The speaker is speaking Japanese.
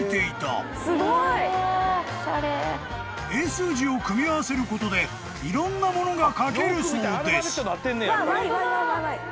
［英数字を組み合わせることでいろんなものが描けるそうです］